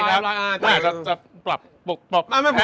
อาจจะตราบลบ